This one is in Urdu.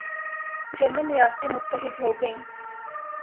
جرمن ریاستیں متحد ہوگئیں